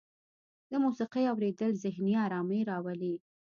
د موسیقۍ اوریدل ذهني ارامۍ راولي.